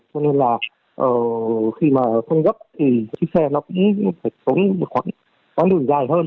cho nên là khi mà không gấp thì chiếc xe nó cũng phải sống khoảng đường dài hơn